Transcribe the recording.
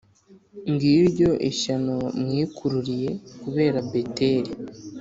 Ngiryo ishyano mwikururiye kubera Beteli,